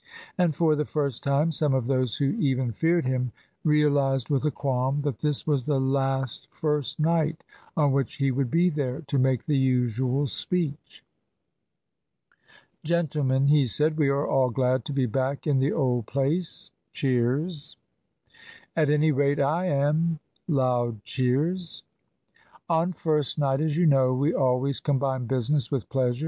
And for the first time some of those who even feared him realised with a qualm that this was the last "first night" on which he would be there to make the usual speech. "Gentlemen," he said, "we are all glad to be back in the old place," (cheers). "At any rate I am," (loud cheers). "On first night, as you know, we always combine business with pleasure.